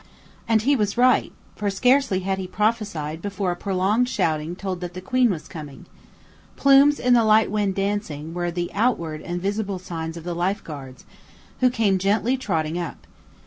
And he was right; for scarcely had he prophesied before a prolonged shouting told that the queen was coming. "Plumes in the light wind dancing" were the outward and visible signs of the Life Guards, who came gently trotting up.